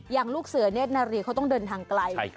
อย่างลูกเสือเนี่ยนารียเขาต้องเดินทางไกล